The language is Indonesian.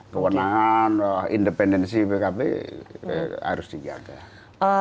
kewenangan independensi pkb harus dijaga